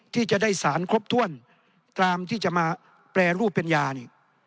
ที่จะได้สารครบถ้วนตามที่จะมาแปรรูปเป็นยานี่